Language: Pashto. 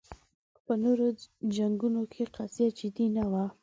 په نورو جنګونو کې قضیه جدي نه وه